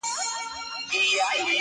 • چي ودڅنګ تې مقبره جوړه د سپي ده,